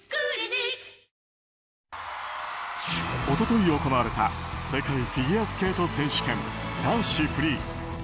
一昨日行われた世界フィギュアスケート選手権男子フリー。